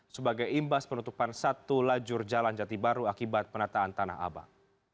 sebagai imbas penutupan satu lajur jalan jati baru akibat penataan tanah abang